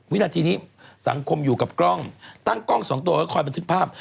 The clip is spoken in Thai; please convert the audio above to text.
วินาทีนี้สังคมอยู่กับกล้องตั้งกล้อง๒ตัวไว้คอยบันทึกภาพ